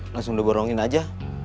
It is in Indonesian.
langsung udah gorongin aja